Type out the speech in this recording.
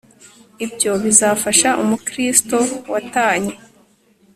ibyo bizafasha umukristo watanye